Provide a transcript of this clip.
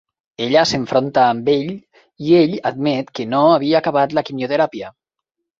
Ella s'enfronta amb ell i ell admet que no havia acabat la quimioteràpia.